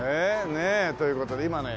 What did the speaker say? ねえ。という事で今ね